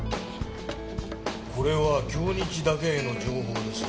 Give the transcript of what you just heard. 「これは京日だけへの情報です。